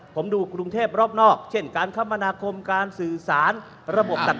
ผมดูกรุงเทพรอบนอกเช่นการคมนาคมการสื่อสารระบบต่าง